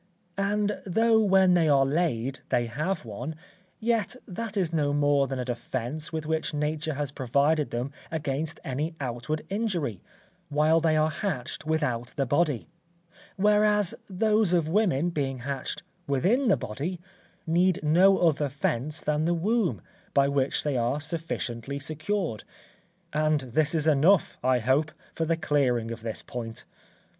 And though when they are laid, they have one, yet that is no more than a defence with which nature has provided them against any outward injury, while they are hatched without the body; whereas those of women being hatched within the body, need no other fence than the womb, by which they are sufficiently secured. And this is enough, I hope, for the clearing of this point.